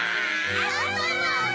アンパンマン！